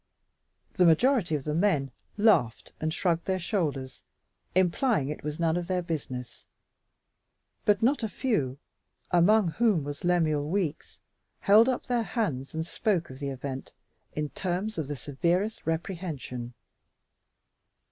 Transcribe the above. The majority of the men laughed and shrugged their shoulders, implying it was none of their business, but not a few, among whom was Lemuel Weeks, held up their hands and spoke of the event in terms of the severest reprehension.